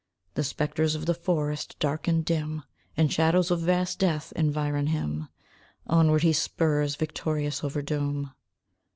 The spectres of the forest, dark and dim, And shadows of vast death environ him Onward he spurs victorious over doom.